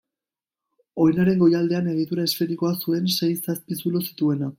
Oinaren goialdean egitura esferikoa zuen sei-zazpi zulo zituena.